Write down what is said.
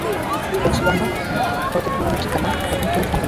বলেছিলাম না, হয়তো পুরোনো ঠিকানা, এখন কেউ থাকে না।